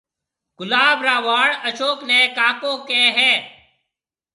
گلاب را ٻاݪ اشوڪ نيَ ڪاڪو ڪيَ ھيََََ